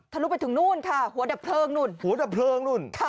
ทะลุไปถึงนู้นค่ะหัวดับเพลิงนู้น